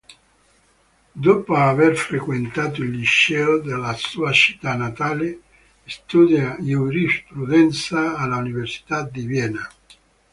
Dopo aver frequentato il liceo nella sua città natale, studia giurisprudenza all'Università di Vienna.